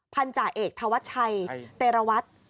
พันธาเอกธวัชชัยเตรวัตร